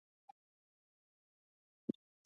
په ټولنیزو چارو کې برخه واخلئ.